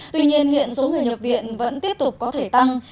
tuy nhiên hiện số người nhập viện vẫn tiếp tục có thể tăng